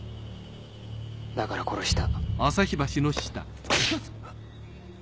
だから殺した。